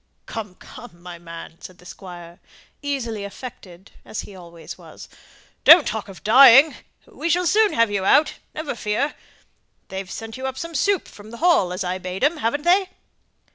"Come, come, my man!" said the Squire, easily affected, as he always was. "Don't talk of dying, we shall soon have you out, never fear. They've sent you up some soup from the Hall, as I bade 'em, haven't they?"